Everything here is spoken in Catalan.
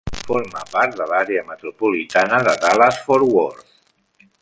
Forma part de l'àrea metropolitana de Dallas-Fort Worth.